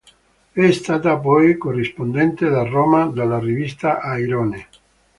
È stata poi corrispondente da Roma della rivista "Airone".